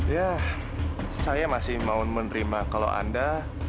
ya saya masih mau menerima kalau anda